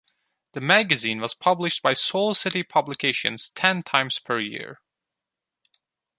The magazine was published by Soul City Publications ten times per year.